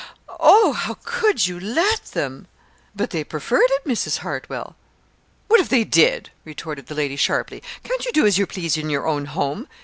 "Oh, how could you let them?" "But they preferred it, Mrs. Hartwell." "What if they did?" retorted the lady, sharply. "Can't you do as you please in your own home?